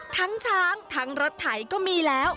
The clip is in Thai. ช้างทั้งรถไถก็มีแล้ว